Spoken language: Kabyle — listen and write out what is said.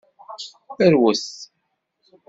Rwet.